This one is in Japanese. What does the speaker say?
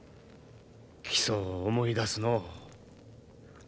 木曽を思い出すのう。